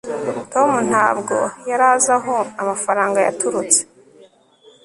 tom ntabwo yari azi aho amafaranga yaturutse